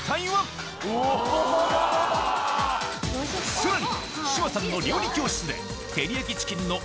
さらに！